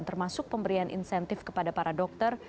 termasuk pemberian insentif kepada para dokter